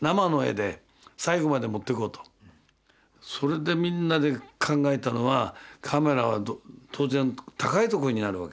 それでみんなで考えたのはカメラは当然高い所になるわけですよ。